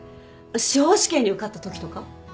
司法試験に受かったときとか？